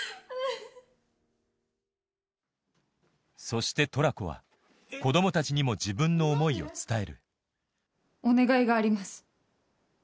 そしてトラコは子供たちにも自分の思いを伝えるお願いがあります。